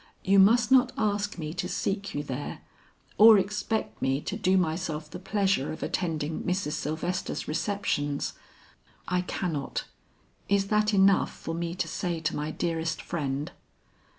You must not ask me to seek you there or expect me to do myself the pleasure of attending Mrs. Sylvester's receptions. I cannot. Is that enough for me to say to my dearest friend?'